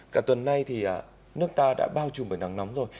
cả tuần nay thì nước ta đã bao trùm bởi nắng nóng rồi